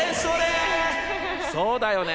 そうだよね。